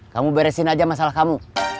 kamu beresin aja masalah kamu